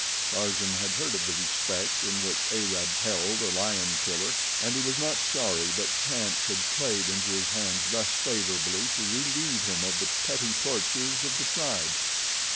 Tarzan had heard of the respect in which Arabs held a lion killer, and he was not sorry that chance had played into his hands thus favorably to relieve him of the petty tortures of the tribe.